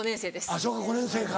あっ小学５年生か。